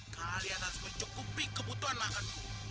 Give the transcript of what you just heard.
kalian harus mencukupi kebutuhan lahan